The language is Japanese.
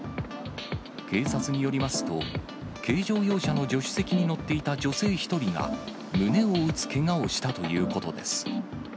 警察によりますと、軽乗用車の助手席に乗っていた女性１人が、胸を打つけがをしたということです。